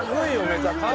めちゃくちゃ。